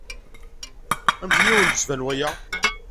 Amek i awen-d-yettban waya?